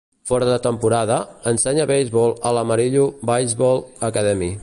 Fora de temporada, ensenya beisbol a l'Amarillo Baseball Academy.